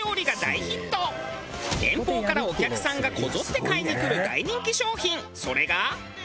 遠方からお客さんがこぞって買いに来る大人気商品それが。